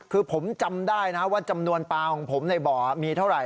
คือผมจำได้นะว่าจำนวนปลาของผมในบ่อมีเท่าไหร